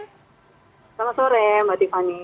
selamat sore mbak tiffany